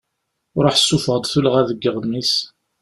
Ruḥ sufeɣ-d tullɣa deg uɣmis.